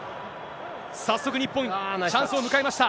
早速、日本、チャンスを迎えました。